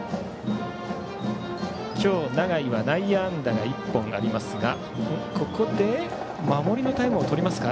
今日、永井は内野安打が１本ありますがここで守りのタイムをとりますか。